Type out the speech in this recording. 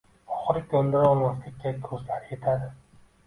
Oxiri koʻndira olmaslikka koʻzlari yetadi.